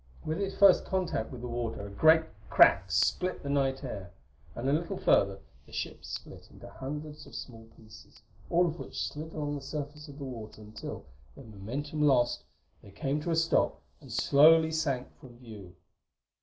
With its first contact with the water a great crack split the night air; and a little further, the ship split into hundreds of small pieces, all of which slid along the surface of the water until, their momentum lost, they came to a stop and slowly sank from view.